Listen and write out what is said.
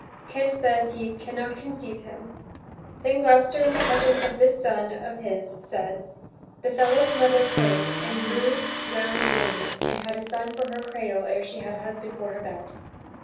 Kent says he "can not conceive him." Then Gloucester in the presence of this son of his says: "The fellow's mother could, and grew round wombed, and had a son for her cradle ere she had a husband for her bed."